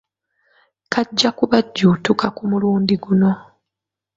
Kajja kubajjuutuka ku mulundi guno.